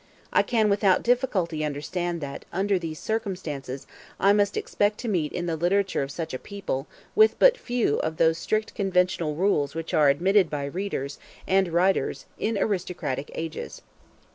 I can without difficulty understand that, under these circumstances, I must expect to meet in the literature of such a people with but few of those strict conventional rules which are admitted by readers and by writers in aristocratic ages.